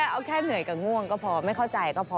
เอาแค่เหนื่อยกับง่วงก็พอไม่เข้าใจก็พอ